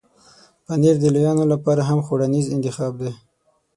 پنېر د لویانو لپاره هم خوړنیز انتخاب دی.